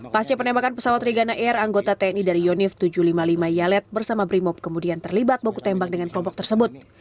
pasca penembakan pesawat regana air anggota tni dari yonif tujuh ratus lima puluh lima yalet bersama brimob kemudian terlibat baku tembak dengan kelompok tersebut